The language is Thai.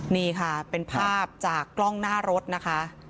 นี่ค่ะเป็นภาพจากกล้องหน้ารถนะคะ